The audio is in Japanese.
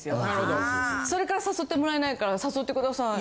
それから誘ってもらえないから誘ってください。